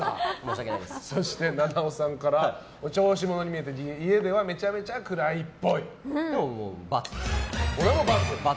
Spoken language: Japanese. そして菜々緒さんからお調子者に見えて家ではめちゃめちゃ暗いっぽい。×です。